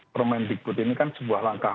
permain digbut ini kan sebuah langkah